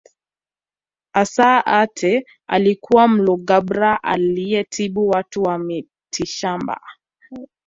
Assa Aatte alikuwa Mlugbara aliyetibu watu kwa mitishamba